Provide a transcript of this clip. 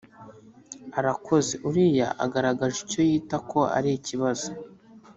arakoze uriya ugaragaje icyo yita ko ari ikibazo